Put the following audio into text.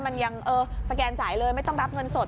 มันยังสแกนจ่ายเลยไม่ต้องรับเงินสด